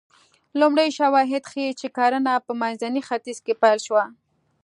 لومړي شواهد ښيي چې کرنه په منځني ختیځ کې پیل شوه